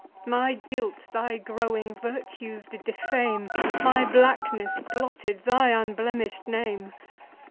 My guilt thy growing virtues did defame; My blackness blotted thy unblemish'd name.